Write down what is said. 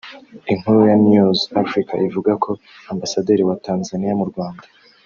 Inkuru ya News Africa ivuga ko Ambasaderi wa Tanzania mu Rwanda